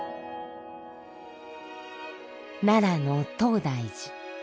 奈良の東大寺。